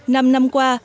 năm năm qua